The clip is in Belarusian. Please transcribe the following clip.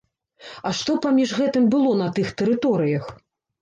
А што паміж гэтым было на тых тэрыторыях?